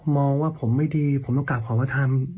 มองว่าผมไม่ดีผมต้องกลับขอว่าทำ